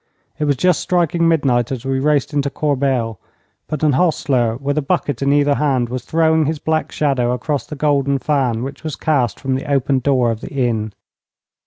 It was just striking midnight as we raced into Corbail; but an hostler with a bucket in either hand was throwing his black shadow across the golden fan which was cast from the open door of the inn.